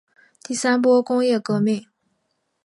第三波工业革命